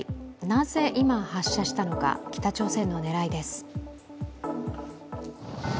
なぜ今、発射したのか、北朝鮮の狙いです。